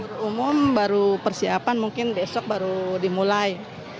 untuk umum baru persiapan mungkin besok baru dimulai